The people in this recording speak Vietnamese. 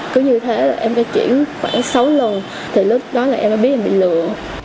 cứ như thế em đã chuyển khoảng sáu lần thì lúc đó là em đã biết em bị lừa